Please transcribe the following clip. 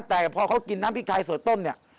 แต่พอเขากินน้ำพริกไทยสดต้มเนี่ย